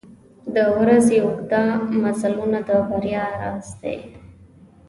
• د ورځې اوږده مزلونه د بریا راز دی.